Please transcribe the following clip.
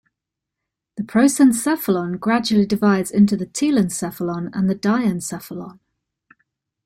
The prosencephlon gradually divides into the telencephalon and the diencephalon.